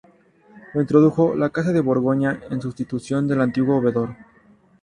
Lo introdujo la casa de Borgoña en sustitución del antiguo veedor.